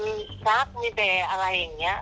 มีชาติมีเด็กอะไรอย่างนี้